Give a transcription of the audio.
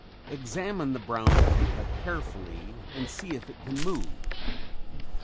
] Examine the brown pupa carefully and see if it can move.